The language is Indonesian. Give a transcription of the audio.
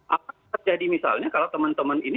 apakah terjadi misalnya kalau teman teman ini